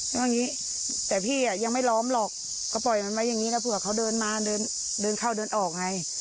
อย่างนี้แต่พี่อ่ะยังไม่ล้อมหรอกก็ปล่อยมันไว้อย่างนี้แล้วเผื่อเขาเดินมาเดินเดินเข้าเดินออกไง